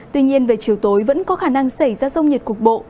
tuy nhiên về chiều tối vẫn có khả năng xảy ra rông nhiệt cục bộ